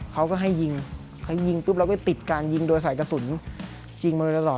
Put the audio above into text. เขาก็ให้ยิงเราก็ติดการยิงโดยใส่กระสุนจริงมาเลยตลอด